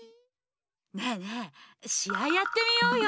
ねえねえしあいやってみようよ！